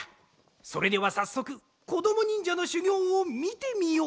それではさっそくこどもにんじゃのしゅぎょうをみてみよう！